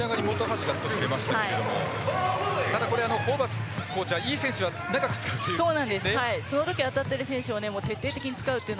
ただ、ホーバスコーチはいい選手は長く使うという。